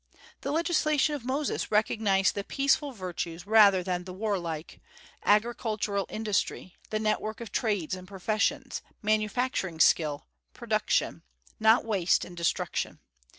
The legislation of Moses recognized the peaceful virtues rather than the warlike, agricultural industry, the network of trades and professions, manufacturing skill, production, not waste and destruction.